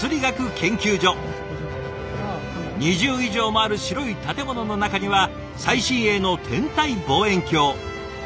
２０以上もある白い建物の中には最新鋭の天体望遠鏡。